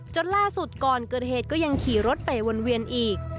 ล่าสุดก่อนเกิดเหตุก็ยังขี่รถไปวนเวียนอีก